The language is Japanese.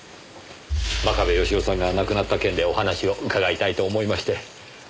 真壁義雄さんが亡くなった件でお話を伺いたいと思いまして。